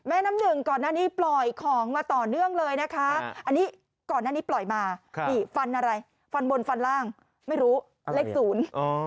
อันนี้ก่อนหน้านี้ปล่อยมาฟันอะไรฟันบนฟันล่างไม่รู้เล็กศูนย์